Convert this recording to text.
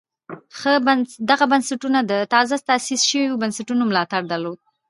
دغه بنسټونه د تازه تاسیس شویو بنسټونو ملاتړ درلود